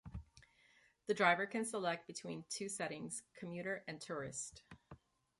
The driver can select between two settings: "commuter" and "tourist".